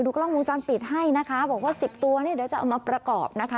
กล้องวงจรปิดให้นะคะบอกว่าสิบตัวเนี่ยเดี๋ยวจะเอามาประกอบนะคะ